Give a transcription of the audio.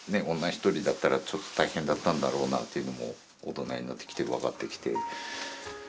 一人だったらちょっと大変だったんだろうなっていうのも大人になってきてわかってきて。